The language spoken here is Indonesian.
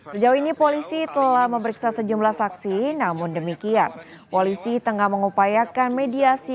sejauh ini polisi telah memeriksa sejumlah saksi namun demikian polisi tengah mengupayakan mediasi